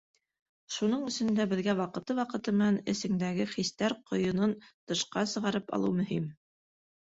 Шуның өсөн дә беҙгә ваҡыты-ваҡыты менән эсеңдәге хистәр ҡойонон тышҡа сығарып алыу мөһим.